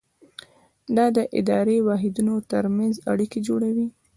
دا د اداري واحدونو ترمنځ اړیکې جوړوي.